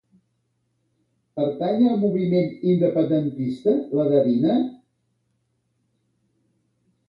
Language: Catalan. Pertany al moviment independentista la Davina?